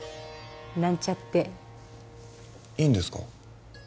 なんちゃっていいんですか？